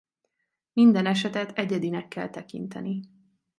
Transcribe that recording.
Minden esetet egyedinek kell tekinteni.